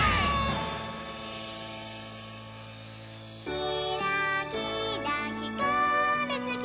「きらきらひかるつき